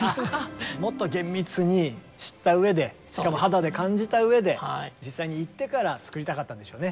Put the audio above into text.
もっと厳密に知ったうえでしかも肌で感じたうえで実際に行ってから作りたかったんでしょうね。